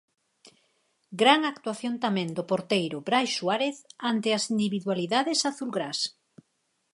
Gran actuación tamén do porteiro Brais Suárez ante as individualidades azulgrás.